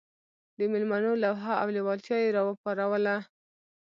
د مېلمنو لوهه او لېوالتیا یې راپاروله.